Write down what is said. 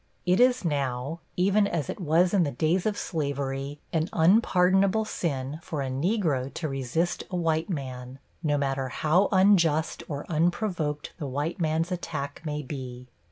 It is now, even as it was in the days of slavery, an unpardonable sin for a Negro to resist a white man, no matter how unjust or unprovoked the white man's attack may be.